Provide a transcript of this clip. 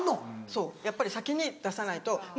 そうやっぱり先に出さないともしかしたら。